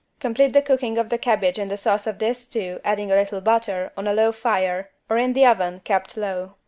Complete the cooking of the cabbage in the sauce of this stew, adding a little butter, on a low fire or in the oven kept low.